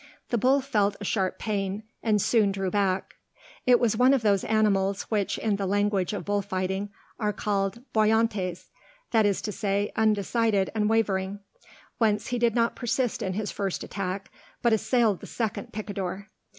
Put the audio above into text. The bull felt a sharp pain, and soon drew back. It was one of those animals which in the language of bull fighting are called "boyantes," that is to say, undecided and wavering; whence he did not persist in his first attack, but assailed the second picador.